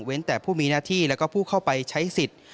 แต่ผู้มีหน้าที่แล้วก็ผู้เข้าไปใช้สิทธิ์